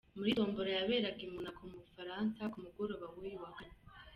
Muri Tombola yaberaga i Monaco mu Bufaransa ku mugroba w'uyu wa Kane .